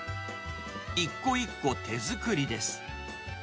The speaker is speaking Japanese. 一個一個手作りです。